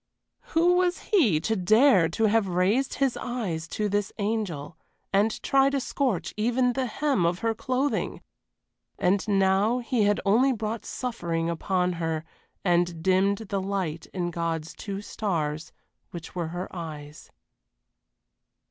Who was he to dare to have raised his eyes to this angel, and try to scorch even the hem of her clothing! And now he had only brought suffering upon her and dimmed the light in God's two stars, which were her eyes.